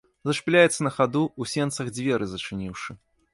Зашпіляецца на хаду, у сенцах дзверы зачыніўшы.